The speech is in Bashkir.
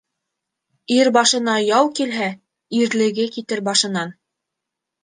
Ир башына яу килһә, ирлеге китер башынан;